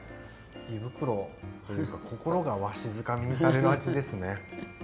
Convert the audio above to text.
胃袋というか心がわしづかみにされる味ですね。